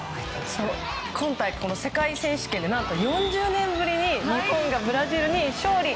今回、世界選手権で４０年ぶりに日本がブラジルに勝利。